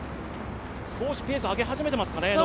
少しペースを上げ始めていますかね？